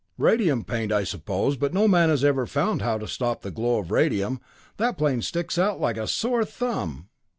Radium paint, I suppose, and no man has ever found how to stop the glow of radium. That plane sticks out like a sore thumb!"